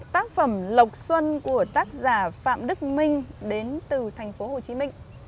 tác phẩm lộc xuân của tác giả phạm đức minh đến từ thành phố hồ chí minh